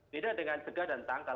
beda dengan cegah dan tangkap